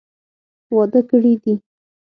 واده کړي دي.